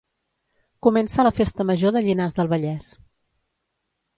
Comença la Festa Major de Llinars del Vallès